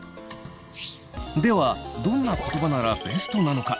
ではどんな言葉ならベストなのか？